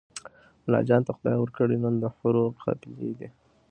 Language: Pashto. ملاجان ته خدای ورکړي نن د حورو قافلې دي